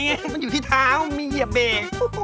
มันอยู่ที่เท้ามีเหยียบเบรก